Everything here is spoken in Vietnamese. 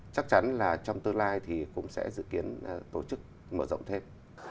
chắc chắn là trong tương lai thì cũng sẽ dự kiến tổ chức mở rộng thêm